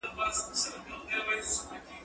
زه پرون نان وخوړل.